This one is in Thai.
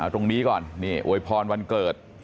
ตรงนี้ก่อนนี่อวยพรวันเกิด